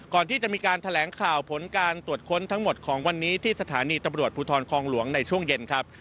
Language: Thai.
ก่อนที่จะมีการแถลงข่าวผลการตรวจค้นทั้งหมดของวันนี้ที่สถานีตำรวจภูทรคองหลวงในช่วงเย็นครับ